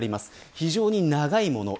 非常に長いです。